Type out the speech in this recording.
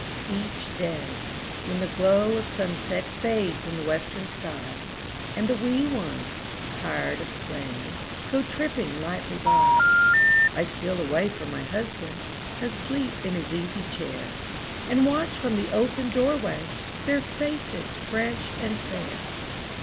Each day, when the glow of sunset Fades in the western sky, And the wee ones, tired of playing, Go tripping lightly by, I steal away from my husband, Asleep in his easy chair, And watch from the open door way Their faces fresh and fair.